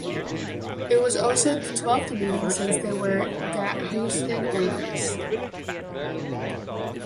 It was also the twelfth meeting since they were the Houston Oilers.